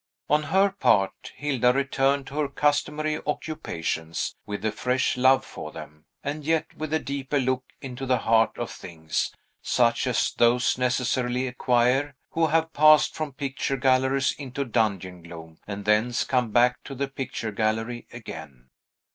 On her part, Hilda returned to her customary Occupations with a fresh love for them, and yet with a deeper look into the heart of things; such as those necessarily acquire who have passed from picture galleries into dungeon gloom, and thence come back to the picture gallery again.